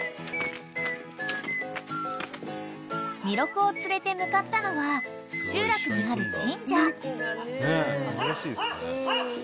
［みろくを連れて向かったのは集落にある］